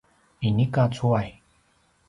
inika cuway